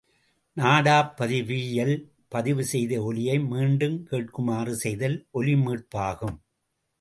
நாடாப் பதிவியில் பதிவு செய்த ஒலியை மீண்டும் கேட்குமாறு செய்தல் ஒலிமீட்பாகும்.